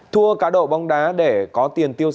thua cá độ bóng đá để có tiền tiêu xài